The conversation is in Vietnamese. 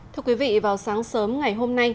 thưa quý vị vào sáng sớm ngày hôm nay